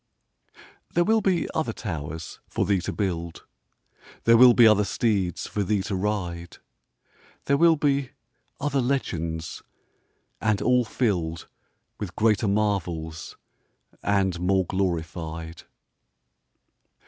There will be other towers for thee to build; There will be other steeds for thee to ride; There will be other legends, and all filled With greater marvels and more glorified.